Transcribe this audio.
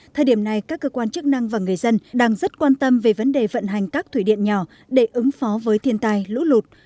thời điểm này các cơ quan chức năng và người dân đang rất quan tâm về vấn đề vận hành các thủy điện nhỏ để ứng phó với thiên tai lũ lụt